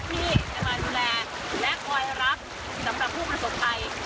ที่จะมาดูแลและคอยรับสำหรับผู้ประสบภัย